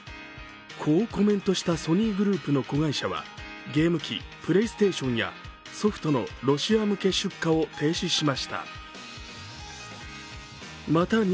こうコメントしたソニーグループの子会社はゲーム機、プレイステーションやソフトのロシア向け出荷を停止しました。